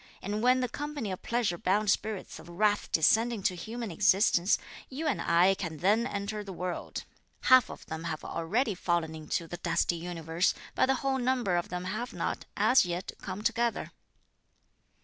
And when the company of pleasure bound spirits of wrath descend into human existence, you and I can then enter the world. Half of them have already fallen into the dusty universe, but the whole number of them have not, as yet, come together."